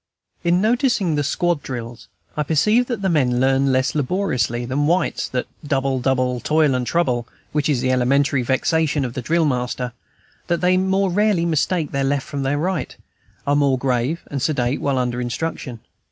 In noticing the squad drills I perceive that the men learn less laboriously than whites that "double, double, toil and trouble," which is the elementary vexation of the drill master, that they more rarely mistake their left for their right, and are more grave and sedate while under instruction.